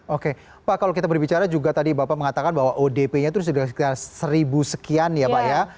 oke pak kalau kita berbicara juga tadi bapak mengatakan bahwa odp nya itu sudah sekitar seribu sekian ya pak ya